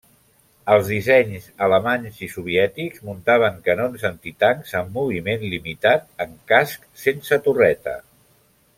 Els dissenys alemanys i soviètics muntaven canons antitancs amb moviment limitat en cascs sense torreta.